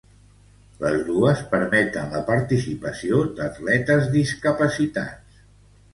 Les dos permeten la participació d'atletes discapacitats.